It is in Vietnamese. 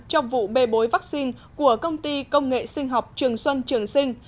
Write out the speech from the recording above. trong vụ bê bối vaccine của công ty công nghệ sinh học trường xuân trường sinh